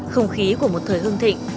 không khí của một thời hương thịnh